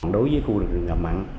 đối với khu rừng ngập mặn